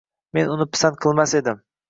Men uni pisand qilmas edim.